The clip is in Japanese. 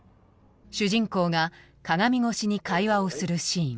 主人公が鏡越しに会話をするシーン。